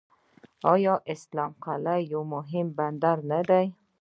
آیا اسلام قلعه یو مهم بندر نه دی؟